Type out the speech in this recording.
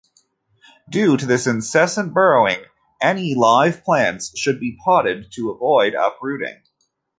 Due to this incessant burrowing, any live plants should be potted to avoid uprooting.